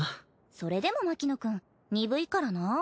それでも牧野くん鈍いからなぁ。